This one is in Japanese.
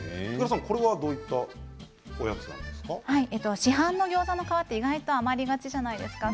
これはどういったおやつですか？